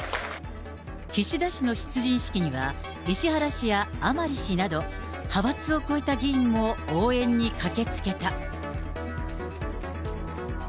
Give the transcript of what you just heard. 岸田氏の出陣式には、石原氏や甘利氏など、派閥を超えた議員も応援に駆けつけた。